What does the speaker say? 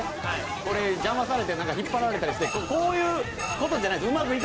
これ、邪魔されて、引っ張られたりしてこういういことじゃないんです。